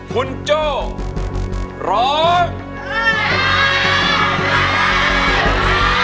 คุณโจ้ร้อง